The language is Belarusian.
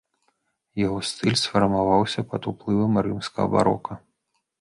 Яго стыль сфармаваўся пад уплывам рымскага барока.